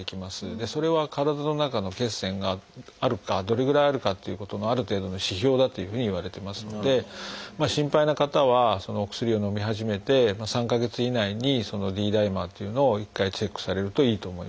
それは体の中の血栓があるかどれぐらいあるかということのある程度の指標だというふうにいわれてますので心配な方はそのお薬をのみ始めて３か月以内にそのＤダイマーというのを一回チェックされるといいと思います。